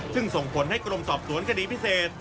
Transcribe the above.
ซึ่งส่งผลให้กรมสอบสวนคดีพิเศษ